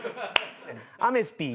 アメスピー。